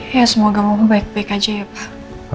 ya semoga baik baik aja ya pak